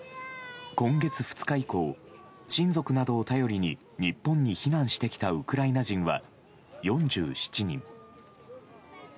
今月２日以降、親族などを頼りに日本に避難してきたウクライナ人は４７人。